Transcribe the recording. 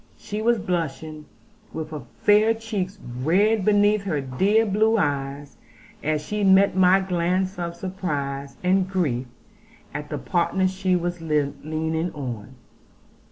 She was blushing, with her fair cheeks red beneath her dear blue eyes, as she met my glance of surprise and grief at the partner she was leaning on.